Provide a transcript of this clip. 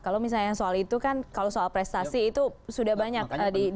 kalau misalnya soal itu kan kalau soal prestasi itu sudah banyak